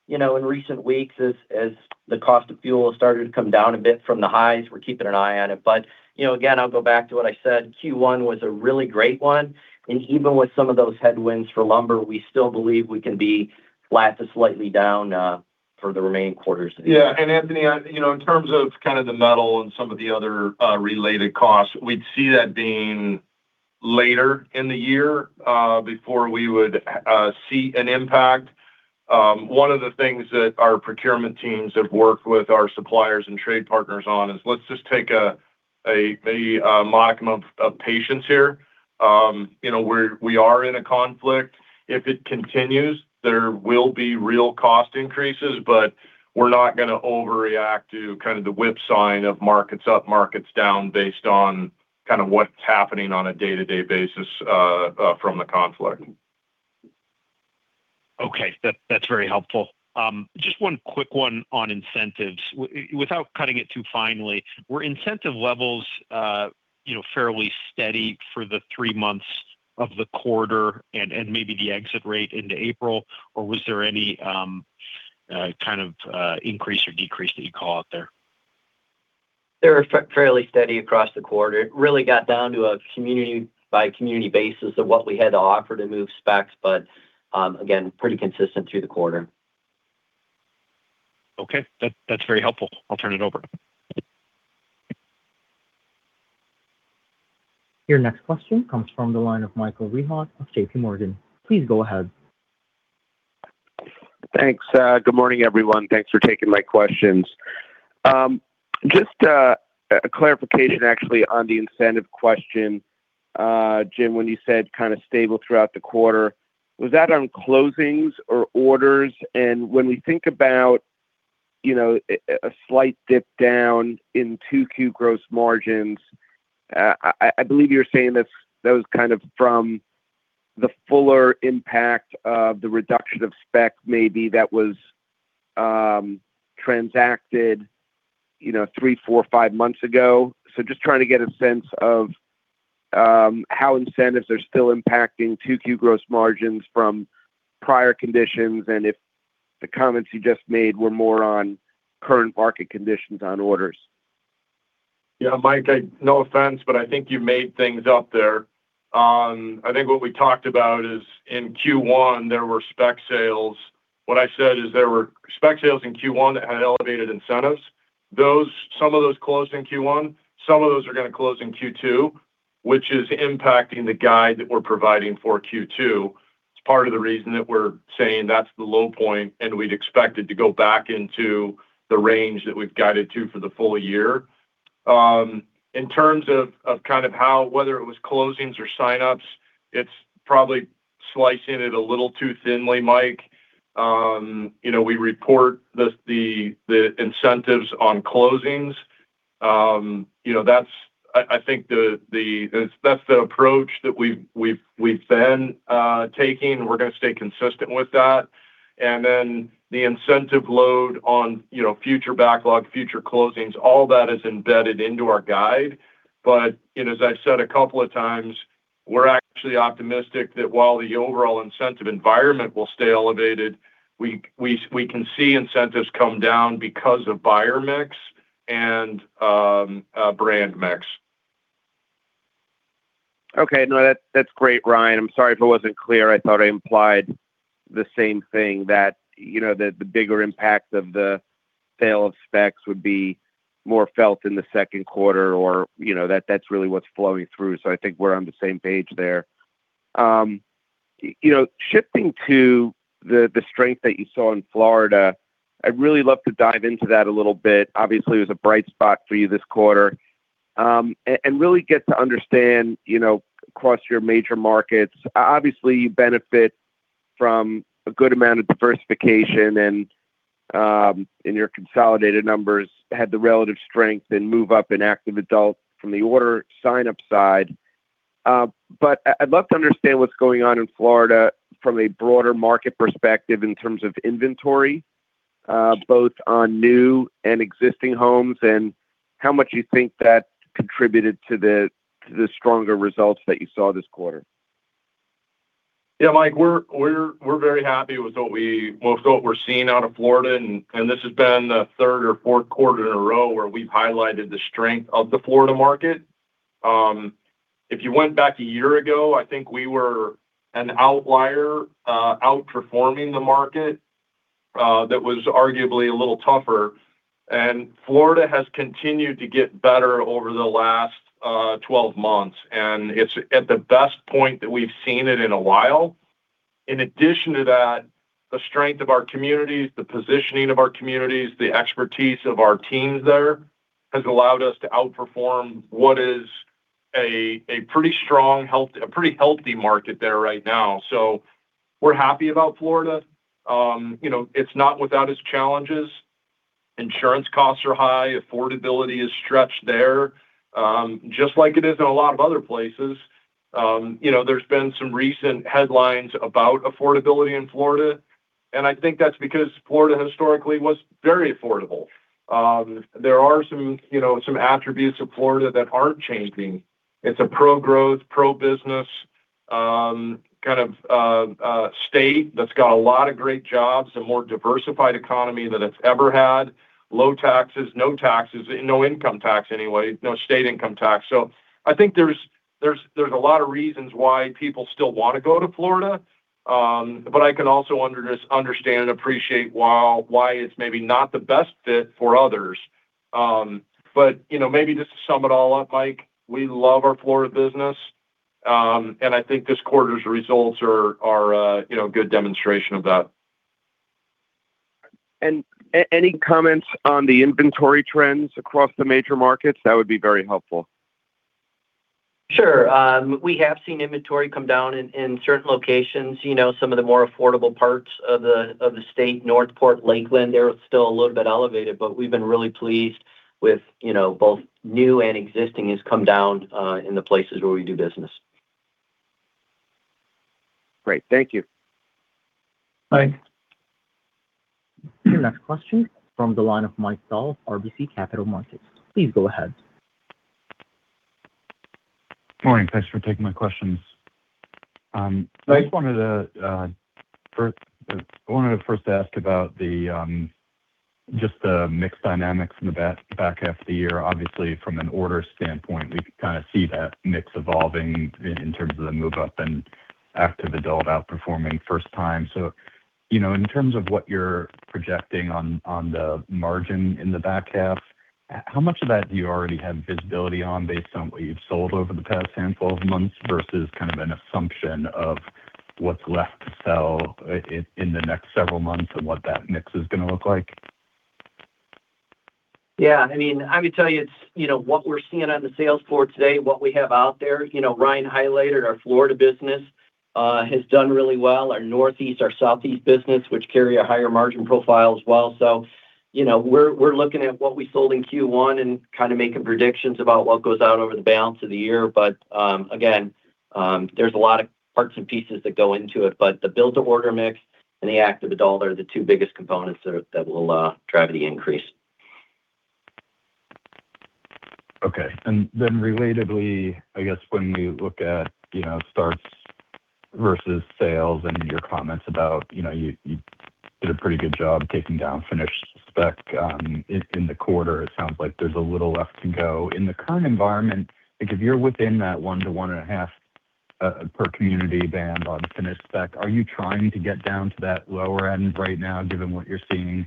In recent weeks, as the cost of fuel has started to come down a bit from the highs, we're keeping an eye on it. Again, I'll go back to what I said, Q1 was a really great one, and even with some of those headwinds for lumber, we still believe we can be flat to slightly down for the remaining quarters. Yeah. Anthony, in terms of kind of the metal and some of the other related costs, we'd see that being later in the year, before we would see an impact. One of the things that our procurement teams have worked with our suppliers and trade partners on is let's just take a modicum of patience here. We are in a conflict. If it continues, there will be real cost increases, but we're not going to overreact to kind of the whipsaw of market's up, market's down based on what's happening on a day-to-day basis from the conflict. Okay. That's very helpful. Just one quick one on incentives. Without cutting it too finely, were incentive levels fairly steady for the three months of the quarter and maybe the exit rate into April? Or was there any kind of increase or decrease that you'd call out there? They were fairly steady across the quarter. It really got down to a community-by-community basis of what we had to offer to move specs, but again, pretty consistent through the quarter. Okay. That's very helpful. I'll turn it over. Your next question comes from the line of Michael Rehaut of JPMorgan. Please go ahead. Thanks. Good morning, everyone. Thanks for taking my questions. Just a clarification, actually, on the incentive question. Jim, when you said kind of stable throughout the quarter, was that on closings or orders? When we think about a slight dip down in 2Q gross margins, I believe you're saying that's those kind of from the fuller impact of the reduction of spec maybe that was transacted three, four, five months ago. Just trying to get a sense of how incentives are still impacting 2Q gross margins from prior conditions, and if the comments you just made were more on current market conditions on orders? Yeah. Mike, no offense, but I think you made things up there. I think what we talked about is in Q1, there were spec sales. What I said is there were spec sales in Q1 that had elevated incentives. Some of those closed in Q1, some of those are going to close in Q2, which is impacting the guide that we're providing for Q2. It's part of the reason that we're saying that's the low point, and we'd expect it to go back into the range that we've guided to for the full year. In terms of kind of how, whether it was closings or sign-ups, it's probably slicing it a little too thinly, Mike. We report the incentives on closings. I think that's the approach that we've been taking. We're going to stay consistent with that, and then the incentive load on future backlog, future closings, all that is embedded into our guide. As I said a couple of times, we're actually optimistic that while the overall incentive environment will stay elevated, we can see incentives come down because of buyer mix and brand mix. Okay. No, that's great, Ryan. I'm sorry if I wasn't clear. I thought I implied the same thing, that the bigger impact of the sale of specs would be more felt in the second quarter or that's really what's flowing through. So I think we're on the same page there. Shifting to the strength that you saw in Florida, I'd really love to dive into that a little bit. Obviously, it was a bright spot for you this quarter. Really get to understand, across your major markets, obviously, you benefit from a good amount of diversification and, in your consolidated numbers, had the relative strength and move up in active adults from the order sign-up side. I'd love to understand what's going on in Florida from a broader market perspective in terms of inventory, both on new and existing homes, and how much you think that contributed to the stronger results that you saw this quarter? Yeah, Mike, we're very happy with what we're seeing out of Florida, and this has been the third or fourth quarter in a row where we've highlighted the strength of the Florida market. If you went back a year ago, I think we were an outlier, outperforming the market, that was arguably a little tougher. Florida has continued to get better over the last 12 months. It's at the best point that we've seen it in a while. In addition to that, the strength of our communities, the positioning of our communities, the expertise of our teams there, has allowed us to outperform what is a pretty healthy market there right now. We're happy about Florida. It's not without its challenges. Insurance costs are high. Affordability is stretched there, just like it is in a lot of other places. There's been some recent headlines about affordability in Florida, and I think that's because Florida historically was very affordable. There are some attributes of Florida that aren't changing. It's a pro-growth, pro-business kind of state that's got a lot of great jobs, a more diversified economy than it's ever had, low taxes, no taxes, no income tax anyway, no state income tax. I think there's a lot of reasons why people still want to go to Florida, but I can also understand and appreciate why it's maybe not the best fit for others. Maybe just to sum it all up, Mike, we love our Florida business, and I think this quarter's results are a good demonstration of that. Any comments on the inventory trends across the major markets? That would be very helpful. Sure. We have seen inventory come down in certain locations. Some of the more affordable parts of the state, North Port, Lakeland, they're still a little bit elevated. We've been really pleased with both new and existing has come down, in the places where we do business. Great. Thank you. Thanks. Your next question from the line of Mike Dahl, RBC Capital Markets. Please go ahead. Morning. Thanks for taking my questions. Mike. I just wanted to first ask about just the mix dynamics in the back half of the year. Obviously, from an order standpoint, we kind of see that mix evolving in terms of the move up and active adult outperforming first time. In terms of what you're projecting on the margin in the back half, how much of that do you already have visibility on based on what you've sold over the past handful of months versus kind of an assumption of what's left to sell in the next several months and what that mix is going to look like? Yeah, I mean, I would tell you it's what we're seeing on the sales floor today, what we have out there. Ryan highlighted our Florida business has done really well. Our Northeast, our Southeast business, which carry a higher margin profile as well. We're looking at what we sold in Q1 and kind of making predictions about what goes out over the balance of the year. Again, there's a lot of parts and pieces that go into it. The build-to-order mix and the active adult are the two biggest components that will drive the increase. Okay. Relatedly, I guess when we look at starts versus sales and your comments about you did a pretty good job taking down finished spec in the quarter, it sounds like there's a little left to go. In the current environment, like if you're within that 1-1.5 per community band on finished spec, are you trying to get down to that lower end right now given what you're seeing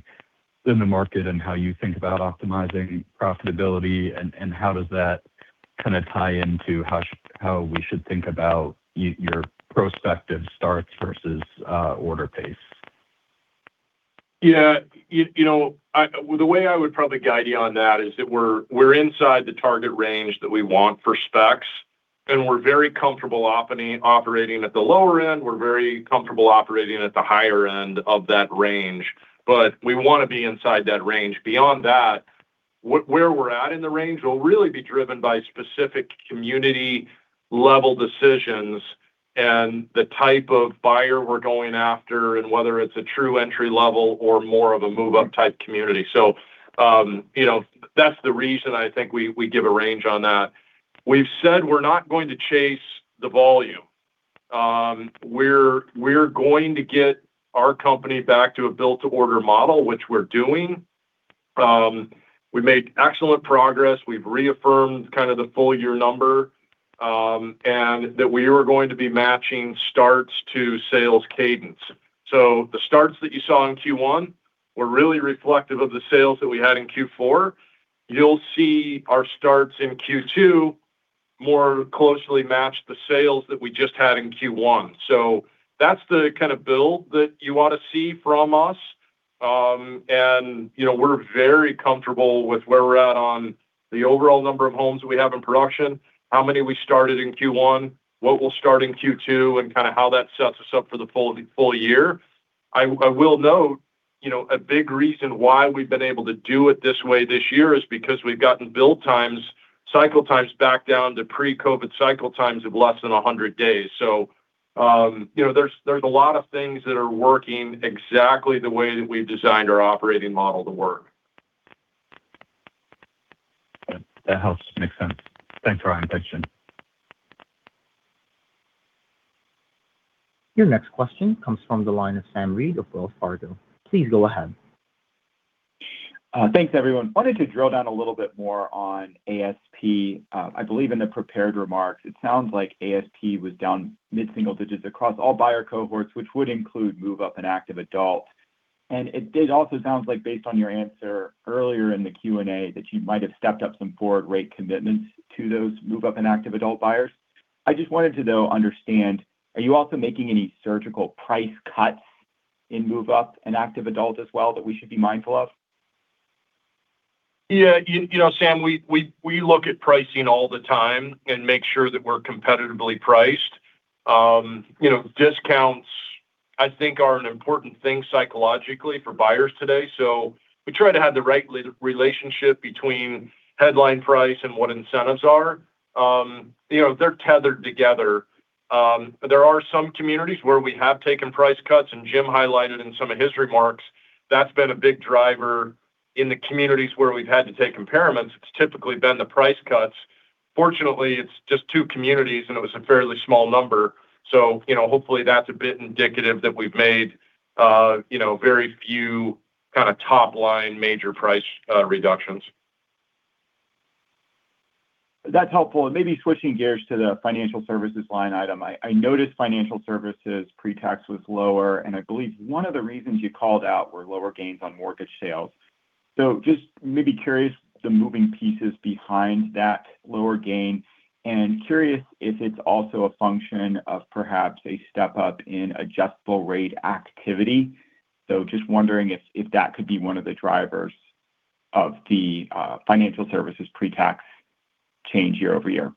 in the market and how you think about optimizing profitability? How does that kind of tie into how we should think about your prospective starts versus order pace? Yeah. The way I would probably guide you on that is that we're inside the target range that we want for specs, and we're very comfortable operating at the lower end. We're very comfortable operating at the higher end of that range. We want to be inside that range. Beyond that, where we're at in the range will really be driven by specific community-level decisions. The type of buyer we're going after, and whether it's a true entry-level or more of a move-up type community. That's the reason I think we give a range on that. We've said we're not going to chase the volume. We're going to get our company back to a build-to-order model, which we're doing. We made excellent progress. We've reaffirmed kind of the full year number, and that we were going to be matching starts to sales cadence. The starts that you saw in Q1 were really reflective of the sales that we had in Q4. You'll see our starts in Q2 more closely match the sales that we just had in Q1. That's the kind of build that you ought to see from us. We're very comfortable with where we're at on the overall number of homes we have in production, how many we started in Q1, what we'll start in Q2, and kind of how that sets us up for the full year. I will note, a big reason why we've been able to do it this way this year is because we've gotten build times, cycle times back down to pre-COVID cycle times of less than 100 days. There's a lot of things that are working exactly the way that we've designed our operating model to work. That helps. Makes sense. Thanks for clarification. Your next question comes from the line of Sam Reid of Wells Fargo. Please go ahead. Thanks, everyone. I wanted to drill down a little bit more on ASP. I believe in the prepared remarks, it sounds like ASP was down mid-single digits across all buyer cohorts, which would include move-up and active adult. It also sounds like based on your answer earlier in the Q&A, that you might have stepped up some forward rate commitments to those move-up and active adult buyers. I just wanted to, though, understand, are you also making any surgical price cuts in move-up and active adult as well that we should be mindful of? Yeah, Sam, we look at pricing all the time and make sure that we're competitively priced. Discounts, I think, are an important thing psychologically for buyers today. We try to have the right relationship between headline price and what incentives are. They're tethered together. There are some communities where we have taken price cuts, and Jim highlighted in some of his remarks, that's been a big driver in the communities where we've had to take impairments. It's typically been the price cuts. Fortunately, it's just two communities, and it was a fairly small number. Hopefully, that's a bit indicative that we've made very few kind of top-line major price reductions. That's helpful. Maybe switching gears to the Financial Services line item. I noticed Financial Services pre-tax was lower, and I believe one of the reasons you called out were lower gains on mortgage sales. Just maybe curious about the moving pieces behind that lower gain, and curious if it's also a function of perhaps a step-up in adjustable rate activity. Just wondering if that could be one of the drivers of the Financial Services pre-tax change year-over-year.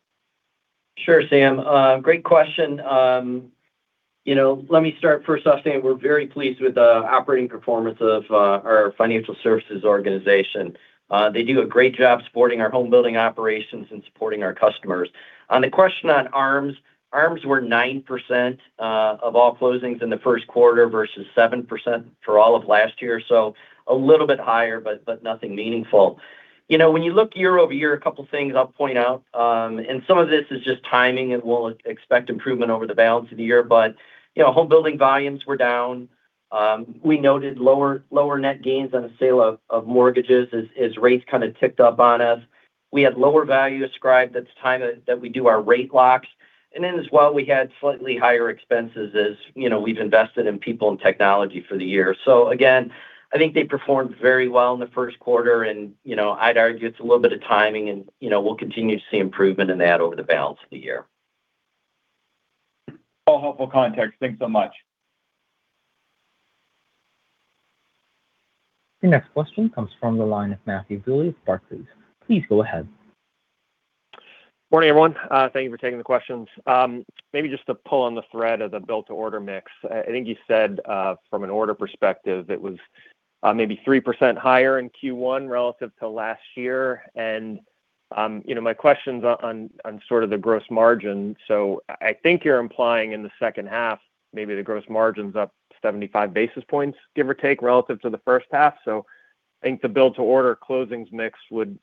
Sure, Sam. Great question. Let me start first off saying we're very pleased with the operating performance of our financial services organization. They do a great job supporting our home building operations and supporting our customers. On the question on ARMs were 9% of all closings in the first quarter versus 7% for all of last year. So a little bit higher, but nothing meaningful. When you look year-over-year, a couple of things I'll point out, and some of this is just timing, and we'll expect improvement over the balance of the year. Home building volumes were down. We noted lower net gains on the sale of mortgages as rates kind of ticked up on us. We had lower value ascribed. That's the time that we do our rate locks. As well, we had slightly higher expenses as we've invested in people and technology for the year. Again, I think they performed very well in the first quarter, and I'd argue it's a little bit of timing, and we'll continue to see improvement in that over the balance of the year. All helpful context. Thanks so much. Your next question comes from the line of Matthew Bouley of Barclays. Please go ahead. Morning, everyone. Thank you for taking the questions. Maybe just to pull on the thread of the build-to-order mix. I think you said, from an order perspective, that was maybe 3% higher in Q1 relative to last year. My question's on sort of the gross margin. I think you're implying in the second half, maybe the gross margin's up 75 basis points, give or take, relative to the first half. I think the build-to-order closings mix would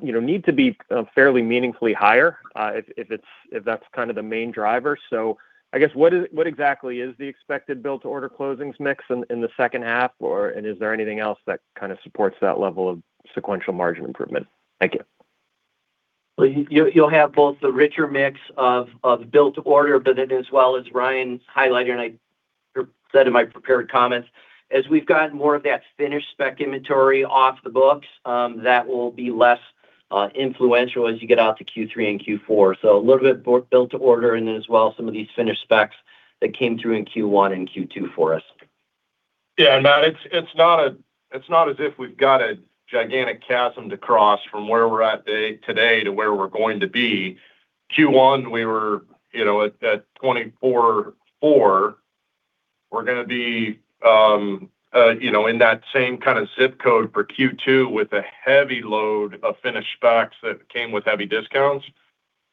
need to be fairly meaningfully higher, if that's kind of the main driver. I guess, what exactly is the expected build-to-order closings mix in the second half? Is there anything else that kind of supports that level of sequential margin improvement? Thank you. You'll have both the richer mix of build-to-order, but then as well as Ryan highlighted, and I said in my prepared comments, as we've gotten more of that finished spec inventory off the books, that will be less influential as you get out to Q3 and Q4. A little bit build-to-order, and then as well, some of these finished specs that came through in Q1 and Q2 for us. Yeah. Matt, it's not as if we've got a gigantic chasm to cross from where we're at today to where we're going to be. Q1, we were at 24.4%. We're going to be in that same kind of ZIP code for Q2 with a heavy load of finished stocks that came with heavy discounts.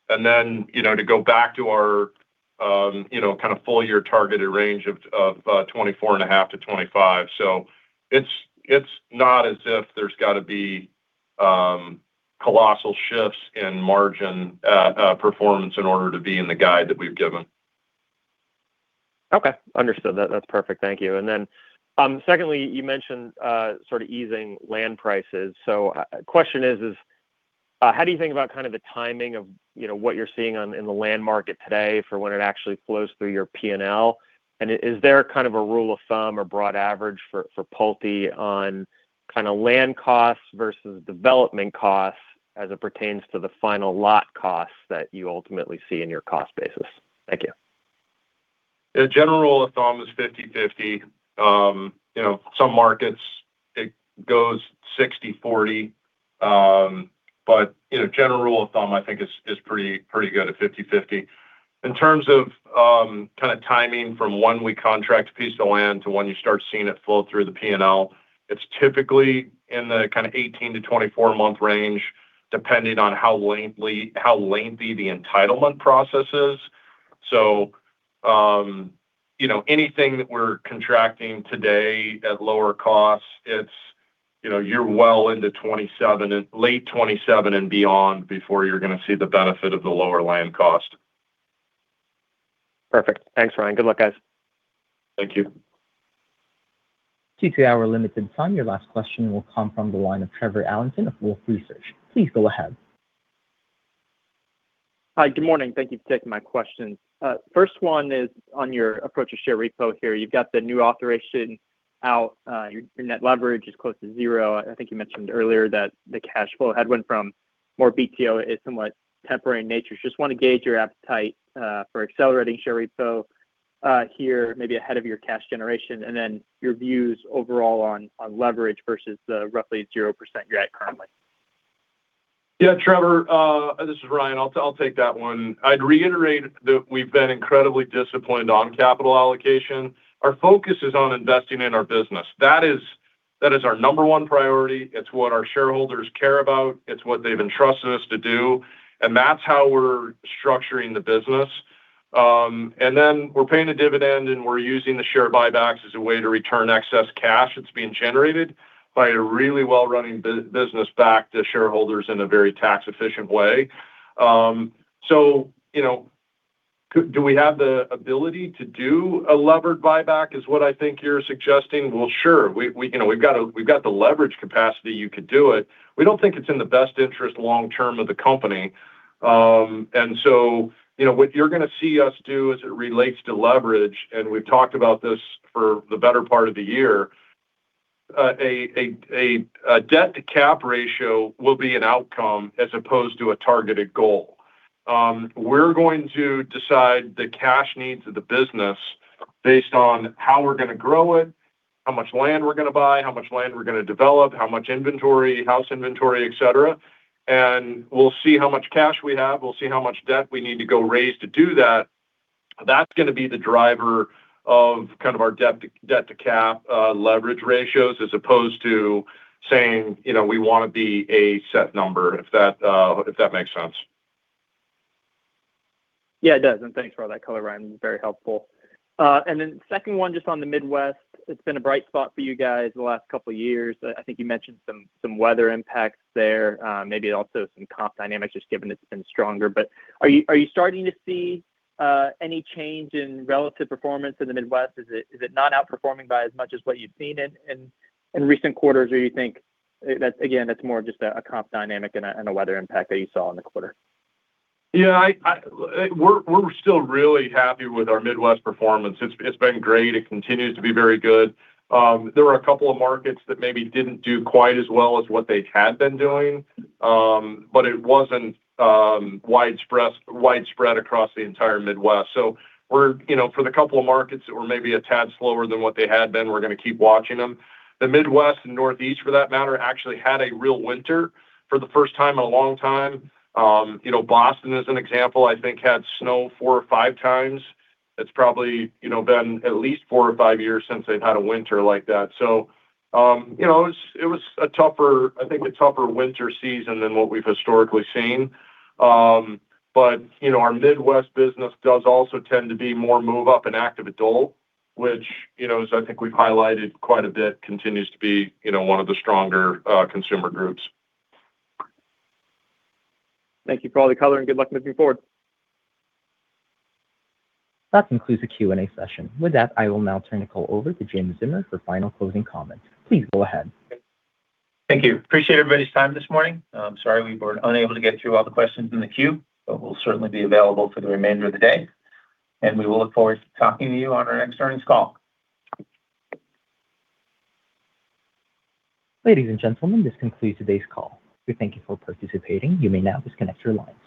To go back to our full year targeted range of 24.5%-25%. It's not as if there's got to be colossal shifts in margin performance in order to be in the guide that we've given. Okay, understood. That's perfect. Thank you. Secondly, you mentioned sort of easing land prices. Question is, how do you think about the timing of what you're seeing in the land market today for when it actually flows through your P&L? And is there kind of a rule of thumb or broad average for Pulte on land costs versus development costs as it pertains to the final lot costs that you ultimately see in your cost basis? Thank you. A general rule of thumb is 50/50. Some markets, it goes 60/40. General rule of thumb, I think is pretty good at 50/50. In terms of kind of timing from when we contract a piece of land to when you start seeing it flow through the P&L, it's typically in the 18-24-month range, depending on how lengthy the entitlement process is. Anything that we're contracting today at lower costs, you're well into late 2027 and beyond before you're going to see the benefit of the lower land cost. Perfect. Thanks, Ryan. Good luck, guys. Thank you. Due to our limited time, your last question will come from the line of Trevor Allinson of Wolfe Research. Please go ahead. Hi. Good morning. Thank you for taking my questions. First one is on your approach to share repo here. You've got the new authorization out. Your net leverage is close to zero. I think you mentioned earlier that the cash flow headwind from more BTO is somewhat temporary in nature. Just want to gauge your appetite for accelerating share repo here, maybe ahead of your cash generation. Your views overall on leverage versus the roughly 0% you're at currently. Yeah, Trevor, this is Ryan. I'll take that one. I'd reiterate that we've been incredibly disciplined on capital allocation. Our focus is on investing in our business. That is our number one priority. It's what our shareholders care about. It's what they've entrusted us to do, and that's how we're structuring the business. We're paying a dividend, and we're using the share buybacks as a way to return excess cash that's being generated by a really well-running business back to shareholders in a very tax-efficient way. Do we have the ability to do a levered buyback, is what I think you're suggesting? Well, sure. We've got the leverage capacity. You could do it. We don't think it's in the best interest long-term of the company. What you're going to see us do as it relates to leverage, and we've talked about this for the better part of the year, a debt-to-cap ratio will be an outcome as opposed to a targeted goal. We're going to decide the cash needs of the business based on how we're going to grow it, how much land we're going to buy, how much land we're going to develop, how much inventory, house inventory, et cetera, and we'll see how much cash we have. We'll see how much debt we need to go raise to do that. That's going to be the driver of kind of our debt-to-cap leverage ratios as opposed to saying, we want to be a set number, if that makes sense. Yeah, it does. Thanks for all that color, Ryan. Very helpful. Second one, just on the Midwest. It's been a bright spot for you guys the last couple of years. I think you mentioned some weather impacts there. Maybe also some comp dynamics, just given it's been stronger. Are you starting to see any change in relative performance in the Midwest? Is it not outperforming by as much as what you've seen in recent quarters? You think that, again, that's more of just a comp dynamic and a weather impact that you saw in the quarter? Yeah. We're still really happy with our Midwest performance. It's been great. It continues to be very good. There were a couple of markets that maybe didn't do quite as well as what they had been doing. It wasn't widespread across the entire Midwest. For the couple of markets that were maybe a tad slower than what they had been, we're going to keep watching them. The Midwest and Northeast, for that matter, actually had a real winter for the first time in a long time. Boston, as an example, I think, had snow four or five times. It's probably been at least four or five years since they've had a winter like that. It was, I think, a tougher winter season than what we've historically seen. Our Midwest business does also tend to be more move-up and active adult, which as I think we've highlighted quite a bit, continues to be one of the stronger consumer groups. Thank you for all the color, and good luck moving forward. That concludes the Q&A session. With that, I will now turn the call over to James Zeumer for final closing comments. Please go ahead. Thank you. Appreciate everybody's time this morning. I'm sorry we were unable to get through all the questions in the queue, but we'll certainly be available for the remainder of the day, and we will look forward to talking to you on our next earnings call. Ladies and gentlemen, this concludes today's call. We thank you for participating. You may now disconnect your line.